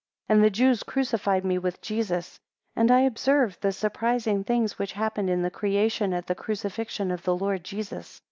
8 And the Jews crucified me with Jesus; and I observed the surprising things which happened in the creation at the crucifixion of the Lord Jesus.